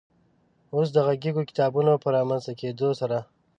اوس د غږیزو کتابونو په رامنځ ته کېدو سره